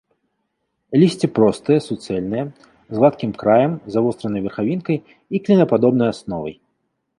Лісце простае, суцэльнае, з гладкім краем, завостранай верхавінкай і клінападобнай асновай.